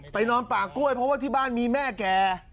นอนป่ากล้วยเพราะว่าที่บ้านมีแม่แก่